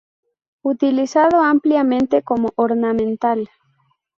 Utilizado ampliamente como ornamental.